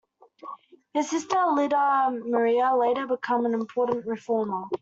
His sister, Lydia Maria, later became an important reformer.